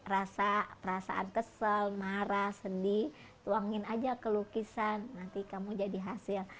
rasa perasaan kesel marah sedih tuangin aja ke lukisan nanti kamu jadi hasil